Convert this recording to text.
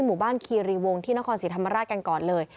หมู่บ้านคีรีวงที่นครศรีธรรมราชกันก่อนเลย